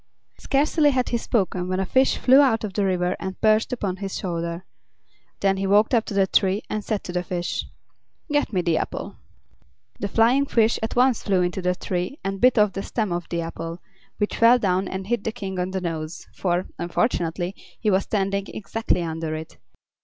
Scarcely had he spoken when a fish flew out of the river and perched upon his shoulder. Then he walked up to the tree and said to the fish: "Get me the apple." The flying fish at once flew into the tree and bit off the stem of the apple, which fell down and hit the King on the nose, for, unfortunately, he was standing exactly under it.